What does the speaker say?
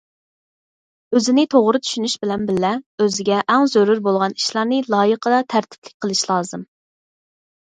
ئۆزىنى توغرا چۈشىنىش بىلەن بىللە، ئۆزىگە ئەڭ زۆرۈر بولغان ئىشلارنى لايىقىدا تەرتىپلىك قىلىش لازىم.